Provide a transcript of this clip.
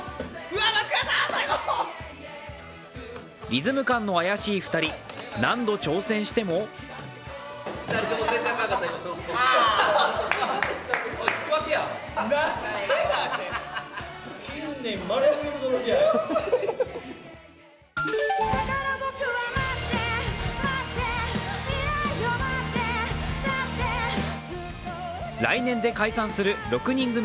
リズム感の怪しい２人、何度挑戦しても来年で解散する６人組